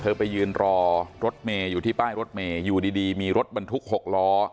ไปยืนรอรถเมย์อยู่ที่ป้ายรถเมย์อยู่ดีมีรถบรรทุก๖ล้อ